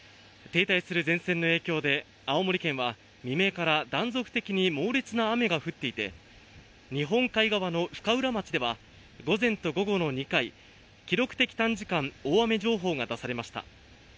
停滞する前線の影響で青森県は未明から断続的に猛烈な雨が降っていて、日本海側の深浦町では午前と午後の２回、記録的短時間大雨情報が出されました。